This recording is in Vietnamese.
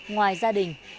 ngoài gia đình